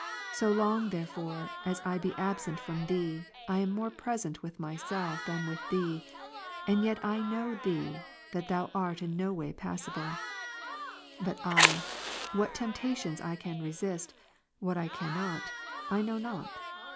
So long therefore as l be 2 qqj.' absent from Thee, I am more present with myself than with 5, 6. Thee; and yet know I Thee that Thou art in no ways passible*^; but I, what temptations I can resist, what I cannot, I know not.